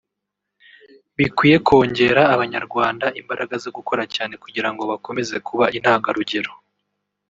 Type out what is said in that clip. bikwiye kongerera Abanyarwanda imbaraga zo gukora cyane kugira ngo bakomeze kuba intangarugero